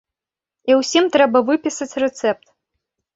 І ўсім трэба выпісаць рэцэпт.